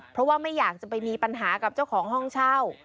เพราะว่าไม่อยากจะไปมีปัญหากับเจ้าของห้องเช่า